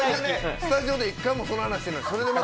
スタジオで１回もその話してない。